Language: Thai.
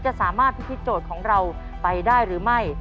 จะสามารถพิธีโจทย์ของเราไปได้หรือไม่